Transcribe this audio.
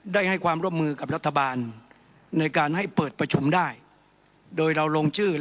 ได้ให้ความร่วมมือกับรัฐบาล